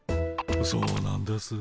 そうなんです。